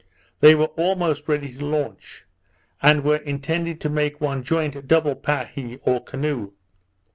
They were almost ready to launch, and were intended to make one joint double pahie or canoe.